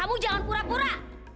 kamu jangan pura pura